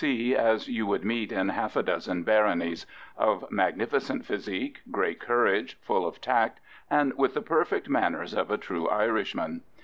C. as you would meet in half a dozen baronies: of magnificent physique, great courage, full of tact, and with the perfect manners of a true Irishman.